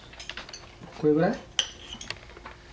これぐらい？